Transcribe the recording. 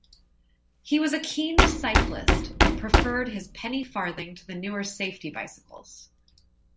He was a keen cyclist but preferred his penny-farthing to the newer "safety" bicycles.